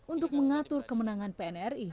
untuk mengatur kemenangan pnri